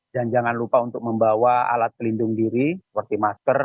dan jangan lupa untuk membawa alat pelindung diri seperti masker